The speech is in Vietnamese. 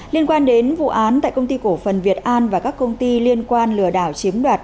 liên quan đến vụ án tại công ty cổ phần việt an và các công ty liên quan lừa đảo chiếm đoạt